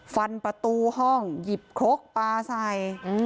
ฟันประตูห้องหยิบครกปลาใส่